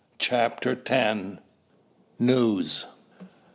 CHAPTER X. NEWS.